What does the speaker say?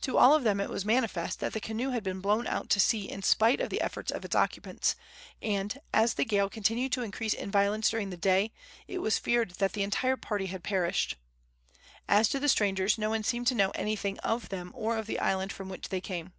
To all of them it was manifest that the canoe had been blown out to sea in spite of the efforts of its occupants, and, as the gale continued to increase in violence during the day, it was feared that the entire party had perished. As to the strangers, no one seemed to know anything of them or of the island from which they came.